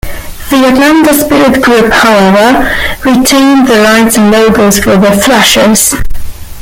The Atlanta Spirit Group, however, retained the rights and logos for the Thrashers.